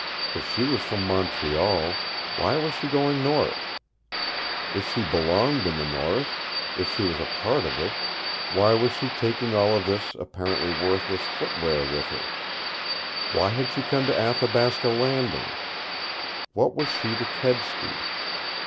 If she was from Montreal, why was she going north? If she belonged in the North, if she was a part of it, why was she taking all of this apparently worthless footwear with her? Why had she come to Athabasca Landing? What was she to Kedsty?